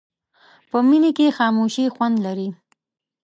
په مني کې خاموشي خوند لري